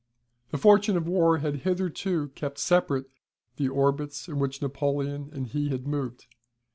The fortune of war had hitherto kept separate the orbits in which Napoleon and he had moved.